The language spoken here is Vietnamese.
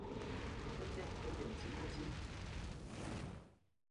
Tất nhiên tâm điểm chính là chinh